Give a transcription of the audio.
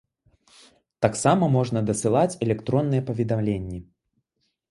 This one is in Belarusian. Таксама можна дасылаць электронныя паведамленні.